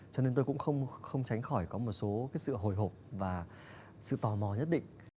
cho nên tôi cũng không tránh khỏi có một số sự hồi hộp và sự tò mò nhất định